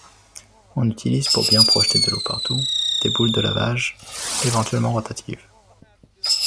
On utilise pour bien projeter de l'eau partout des boules de lavages, éventuellement rotatives.